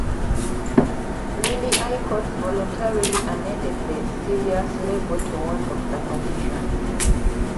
Lilly Icos voluntarily amended the Cialis label to warn of the condition.